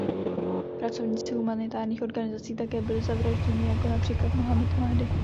Pracovníci humanitárních organizací také byli zavražděni, jako například Mohamed Mahdi.